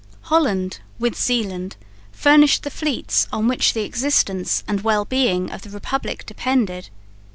Holland with Zeeland furnished the fleets on which the existence and well being of the republic depended.